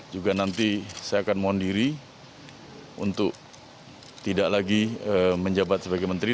juga nanti saya akan mohon diri untuk tidak lagi menjabat sebagai menteri